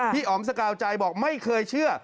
อ๋อมสกาวใจบอกไม่เคยเชื่อ